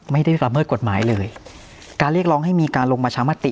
ไม่ได้ละเมิดกฎหมายเลยการเรียกร้องให้มีการลงประชามติ